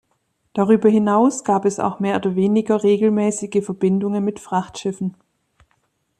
Darüber hinaus gibt es auch mehr oder weniger regelmäßige Verbindungen mit Frachtschiffen.